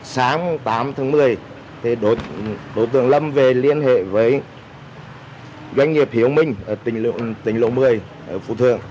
sáng tám tháng một mươi đối tượng lâm về liên hệ với doanh nghiệp hiếu minh tỉnh lộ một mươi phú thượng